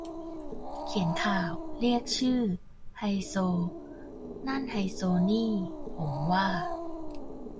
เขียนข่าว เรียกชื่อ ไฮโซ นั่นไฮโซนี่ ผมว่า